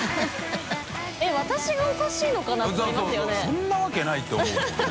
そんなわけないって思うもんね。